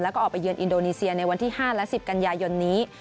แล้วก็ออกไปเยือนอินโดนีเซียในวันที่๕และ๑๐กันยายนนี้